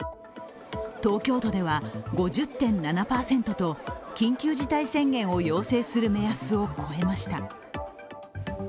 東京都では５０．７％と緊急事態宣言を要請する目安を超えました。